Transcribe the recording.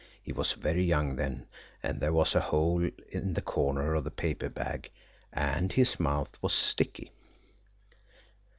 He was very young then, and there was a hole in the corner of the paper bag and his mouth was sticky.